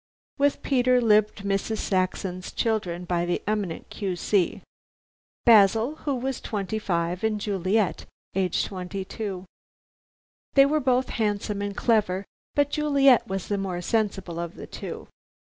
With Peter lived Mrs. Saxon's children by the eminent Q.C. Basil, who was twenty five, and Juliet age twenty two. They were both handsome and clever, but Juliet was the more sensible of the two.